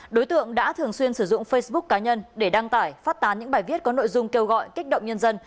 đối tượng đã thường xuyên sử dụng facebook cá nhân để đăng tải phát tán những bài viết có nội dung kêu gọi kích động nhân dân